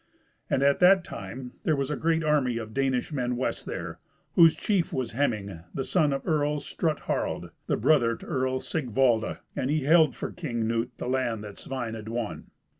And at that time there was a great army of Danish men west there, whose chief was Heming, the son of Earl Strut Harald, and brother to Earl Sigvaldi, and he held for King Knut that land that Svein had won.